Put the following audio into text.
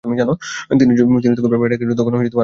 তিনি যখন ডাকিয়া পাঠাইয়াছেন, তখন আর কিসের জন্য বিলম্ব করা।